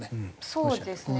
そうですね。